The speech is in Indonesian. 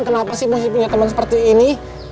kenapa sih masih punya teman seperti ini